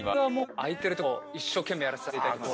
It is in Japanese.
空いてるとこを一生懸命やらさせていただきます。